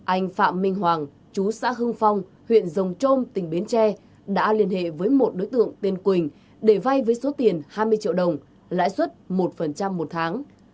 anh phạm minh hoàng chú xã hưng phong huyện rồng trôm tỉnh bến tre đã liên hệ với một đối tượng tên quỳnh để vay với số tiền hai mươi triệu đồng lãi suất một một tháng